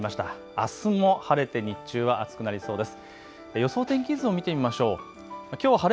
あすも晴れて日中は暑くなりそうです。